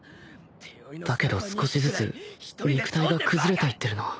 だけど少しずつ肉体が崩れていってるな